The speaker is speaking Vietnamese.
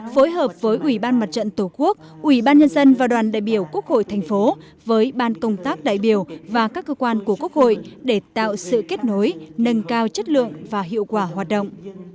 phối hợp với ủy ban mặt trận tổ quốc ủy ban nhân dân và đoàn đại biểu quốc hội thành phố với ban công tác đại biểu và các cơ quan của quốc hội để tạo sự kết nối nâng cao chất lượng và hiệu quả hoạt động